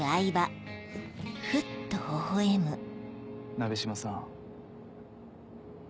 鍋島さん。